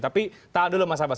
tapi tahan dulu mas abbas